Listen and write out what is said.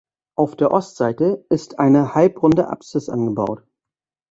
Auf der Ostseite ist eine halbrunde Apsis angebaut.